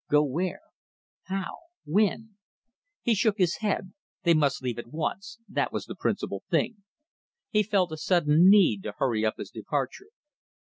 Go where? How? When? He shook his head. They must leave at once; that was the principal thing. He felt a sudden need to hurry up his departure.